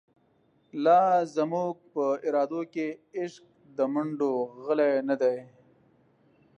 لا زموږ په ارادو کی، عشق د مڼډو غلۍ نه دۍ